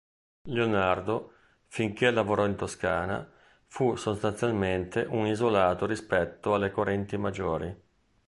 Leonardo, finché lavorò in Toscana, fu sostanzialmente un isolato rispetto alle correnti maggiori.